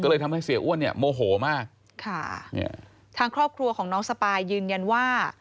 ก็เลยทำให้เสียอ้วนเนี่ยโมโหมากค่ะเนี่ยทางครอบครัวของน้องสปายยืนยันว่า